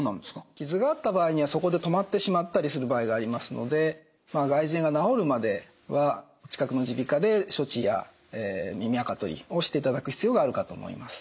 傷があった場合にはそこで止まってしまったりする場合がありますので外耳炎が治るまではお近くの耳鼻科で処置や耳あか取りをしていただく必要があるかと思います。